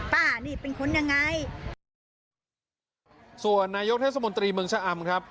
ป้านี่เป็นคนยังไงส่วนนายกเทศมนตรีเมืองชะอำครับ